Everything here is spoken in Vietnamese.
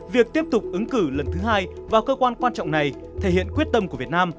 việc tiếp tục ứng cử lần thứ hai vào cơ quan quan trọng này thể hiện quyết tâm của việt nam